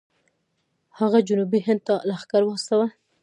هغه جنوبي هند ته لښکر واستوه.